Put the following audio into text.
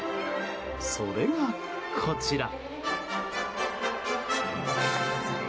それがこちら。